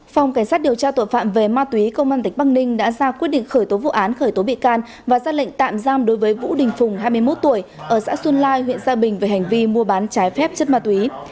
phòng cảnh sát điều tra tội phạm về ma túy công an tỉnh băng ninh đã ra quyết định khởi tố vụ án khởi tố bị can và ra lệnh tạm giam đối với vũ đình phùng hai mươi một tuổi ở xã xuân lai huyện gia bình về hành vi mua bán trái phép chất ma túy